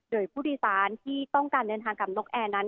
โดยผู้โดยสารที่ต้องการเดินทางกับนกแอร์นั้น